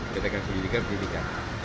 kita akan kejadikan kejadikan